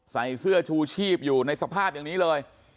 ใส่เสื้อชูชีพอยู่ในสภาพอย่างนี้เลย